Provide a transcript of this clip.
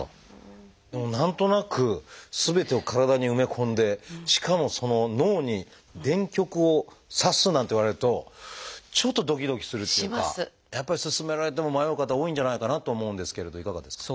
でも何となくすべてを体に埋め込んでしかも脳に電極をさすなんて言われるとちょっとどきどきするっていうかやっぱり勧められても迷う方多いんじゃないかなと思うんですけれどいかがですか？